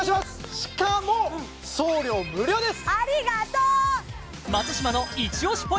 しかも送料無料です！